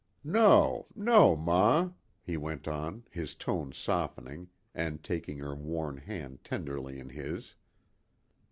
"No no, ma," he went on, his tone softening, and taking her worn hand tenderly in his.